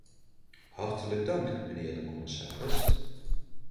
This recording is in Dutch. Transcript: Hartelijk dank, mijnheer de commissaris.